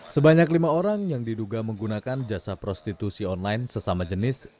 sebanyak lima orang yang diduga menggunakan jasa prostitusi online sesama jenis